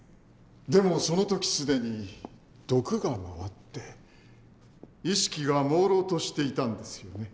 でもその時既に毒が回って意識が朦朧としていたんですよね？